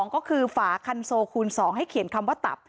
ก็คือฝาคันโซคูณ๒ให้เขียนคำว่าตับ